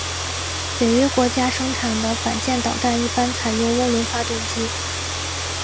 北约国家生产的反舰导弹一般采用涡轮发动机。